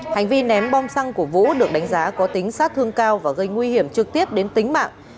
hành vi ném bom xăng của vũ được đánh giá có tính sát thương cao và gây nguy hiểm trực tiếp đến tính mạng